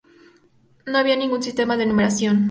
No había ningún sistema de numeración.